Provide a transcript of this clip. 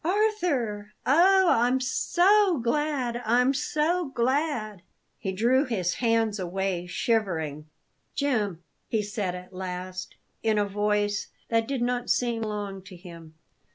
"Arthur! Oh, I'm so glad I'm so glad!" He drew his hands away, shivering. "Jim!" he said at last, in a voice that did not seem to belong to him.